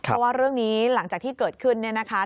เพราะว่าเรื่องนี้หลังจากที่เกิดขึ้นเนี่ยนะคะ